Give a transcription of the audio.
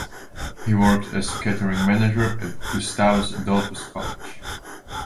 He works as Catering manager at Gustavus Adolphus College.